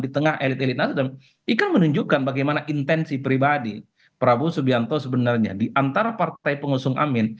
di tengah elit elit nasdem ingin menunjukkan bagaimana intensi pribadi prabowo subianto sebenarnya diantara partai pengusung amin